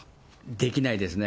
できないですね。